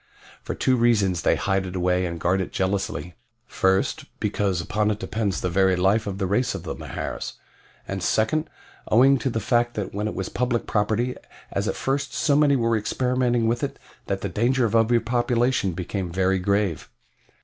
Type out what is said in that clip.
"For two reasons they hide it away and guard it jealously. First, because upon it depends the very life of the race of Mahars, and second, owing to the fact that when it was public property as at first so many were experimenting with it that the danger of over population became very grave.